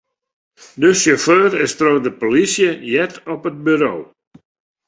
De sjauffeur is troch de polysje heard op it buro.